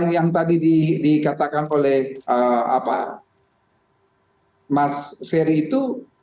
yang tadi dikatakan oleh mas ferry itu